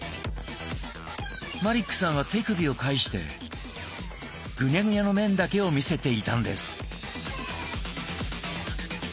マリックさんは手首を返してグニャグニャの面だけを見せていたんです！